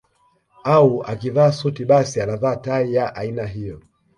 Au akivaa suti basi anavaa tai ya aina hiyo